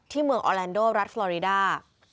ที่เมืองออแลนโดร์รัสฟลอริดา